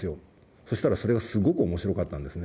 そしたらそれがすごく面白かったんですね。